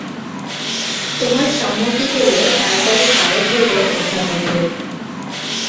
তোমার সম্মতি পেলে তার পরে পায়ে ধরব অধ্যাপকের।